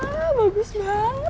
wah bagus banget